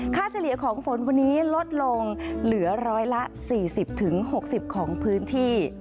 เฉลี่ยของฝนวันนี้ลดลงเหลือร้อยละ๔๐๖๐ของพื้นที่